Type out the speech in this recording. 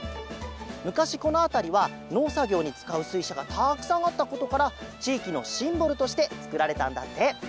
むかしこのあたりはのうさぎょうにつかうすいしゃがたくさんあったことからちいきのシンボルとしてつくられたんだって。